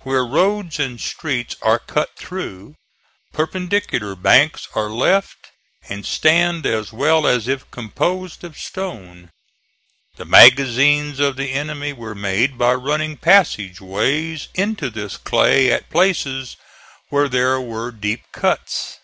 Where roads and streets are cut through, perpendicular banks are left and stand as well as if composed of stone. The magazines of the enemy were made by running passage ways into this clay at places where there were deep cuts.